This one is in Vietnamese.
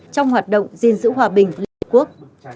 trong hoạt động gìn giữ hòa bình liên hợp quốc